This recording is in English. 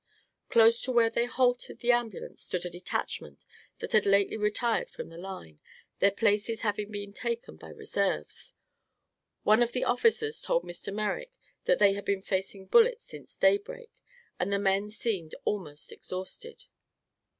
Close to where they halted the ambulance stood a detachment that had lately retired from the line, their places having been taken by reserves. One of the officers told Mr. Merrick that they had been facing bullets since daybreak and the men seemed almost exhausted.